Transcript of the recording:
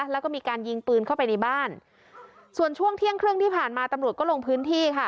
แล้วก็มีการยิงปืนเข้าไปในบ้านส่วนช่วงเที่ยงครึ่งที่ผ่านมาตำรวจก็ลงพื้นที่ค่ะ